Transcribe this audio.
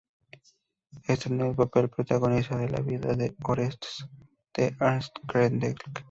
Estrenó el papel protagonista de "La vida de Orestes" de Ernst Krenek.